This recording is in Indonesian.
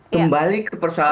kembali ke persoalan